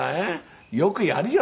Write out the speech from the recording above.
よくやるよ